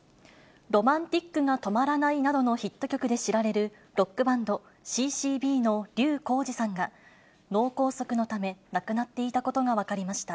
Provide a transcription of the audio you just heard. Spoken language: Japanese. Ｒｏｍａｎｔｉｃが止まらないなどのヒット曲で知られる、ロックバンド、ＣーＣーＢの笠浩二さんが、脳梗塞のため亡くなっていたことが分かりました。